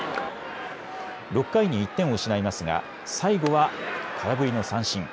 ６回に１点を失いますが最後は空振りの三振。